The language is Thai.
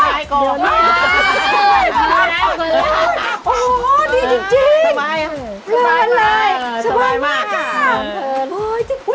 สบายมากค่ะ